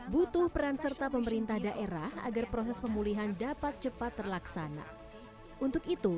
butuh peran serta pemerintah daerah agar proses pemulihan dapat cepat terlaksana untuk itu